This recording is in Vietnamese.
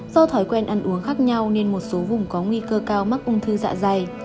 do thói quen ăn uống khác nhau nên một số vùng có nguy cơ cao mắc ung thư dạ dày